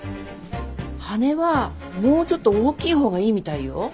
羽根はもうちょっと大きいほうがいいみたいよ。